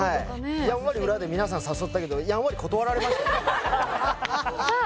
やんわり裏で皆さん誘ったけどやんわり断られましたよさあ